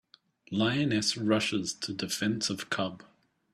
Lioness Rushes to Defense of Cub.